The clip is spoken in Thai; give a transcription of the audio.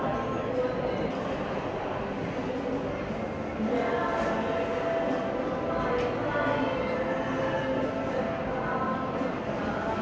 ขอบคุณทุกคนมากครับที่ทุกคนรัก